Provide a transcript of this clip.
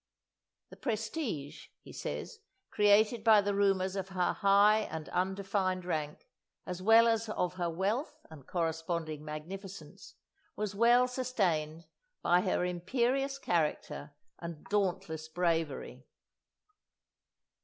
"The prestige," he says, "created by the rumours of her high and undefined rank, as well as of her wealth and corresponding magnificence, was well sustained by her imperious character and dauntless bravery."